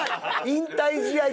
引退試合